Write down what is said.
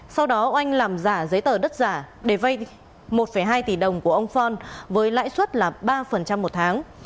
sau đó oanh làm giả giấy tờ đất giả để vay một hai tỷ đồng của ông fon với lãi suất là ba một tháng